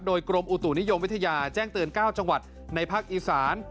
โดยกรมอุตุนิยมวิทยาแจ้งเตือน๙จังหวัดในภาคอีสาน